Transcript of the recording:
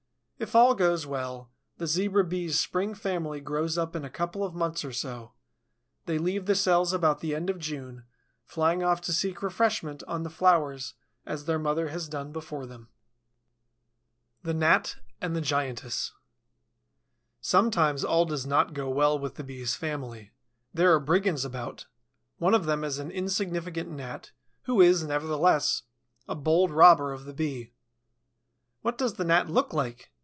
If all goes well, the Zebra Bee's spring family grows up in a couple of months or so; they leave the cells about the end of June, flying off to seek refreshment on the flowers as their mother has done before them. THE GNAT AND THE GIANTESS Sometimes all does not go well with the Bee's family. There are brigands about. One of them is an insignificant Gnat, who is, nevertheless, a bold robber of the Bee. What does the Gnat look like?